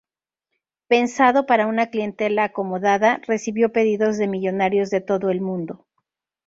Pensado para una clientela acomodada, recibió pedidos de millonarios de todo el mundo.